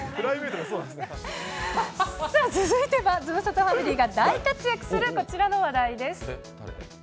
さあ、続いてはズムサタファミリーが大活躍するこちらの話題です。